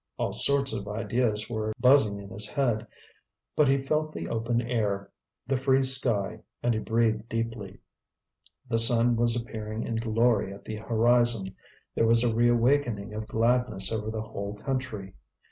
All sorts of ideas were buzzing in his head. But he felt the open air, the free sky, and he breathed deeply. The sun was appearing in glory at the horizon, there was a reawakening of gladness over the whole country.